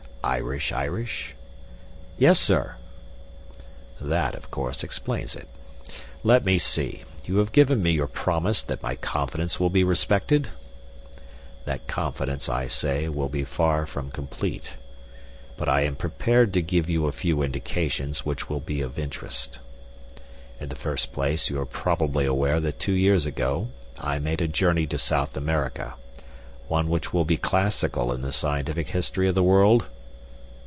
"Irish Irish?" "Yes, sir." "That, of course, explains it. Let me see; you have given me your promise that my confidence will be respected? That confidence, I may say, will be far from complete. But I am prepared to give you a few indications which will be of interest. In the first place, you are probably aware that two years ago I made a journey to South America one which will be classical in the scientific history of the world?